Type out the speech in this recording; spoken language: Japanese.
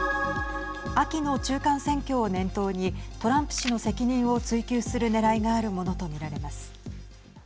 秋の中間選挙を念頭にトランプ氏の責任を追及するねらいがあるものとみられます。